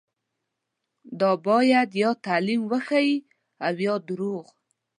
دا باید یا تعلیم وښيي او یا درواغ.